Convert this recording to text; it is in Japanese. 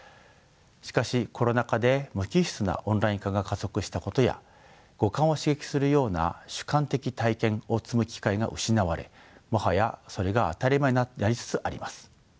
しかしコロナ禍で無機質なオンライン化が加速したことや五感を刺激するような主観的体験を積む機会が失われもはやそれが当たり前になりつつあります。